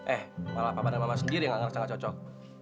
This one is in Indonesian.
eh malah papa dan mama sendiri yang gak ngerasa gak cocok